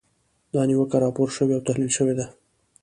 دا نیوکه راپور شوې او تحلیل شوې ده.